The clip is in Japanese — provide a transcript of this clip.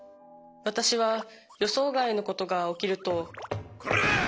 私は予想外のことが起きるとコラ！